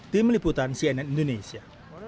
tim liputan cnn indonesia